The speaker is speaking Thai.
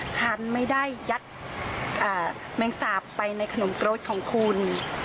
ฉันไม่ได้ยัดแมงสาบไปในขนมกรดของคุณ